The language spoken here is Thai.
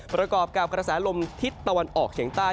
ประกอบกับกระแสลมทิศตะวันออกเฉียงใต้